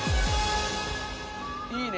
いいね。